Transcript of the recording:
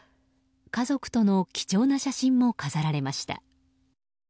家族との貴重な写真も飾られました。